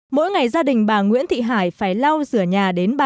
mỗi ngày gia đình bà nguyễn thị hải phải lau rửa nhà đến